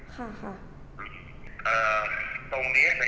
คุณพ่อได้จดหมายมาที่บ้าน